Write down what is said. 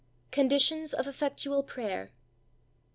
CONDITIONS OF EFFECTUAL PRAYER.